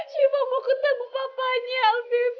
syifa mau ketemu papanya amin